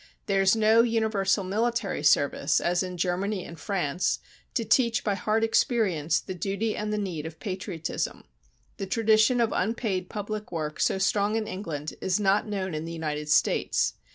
There is no universal military service as in Germany and France to teach by hard experience the duty and the need of patriotism; the tradition of unpaid public work so strong in England is not known in the United States.